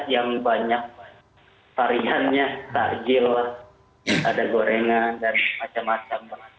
yang banyak variannya tajil ada gorengan dan macam macam